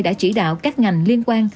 đã chỉ đạo các ngành liên quan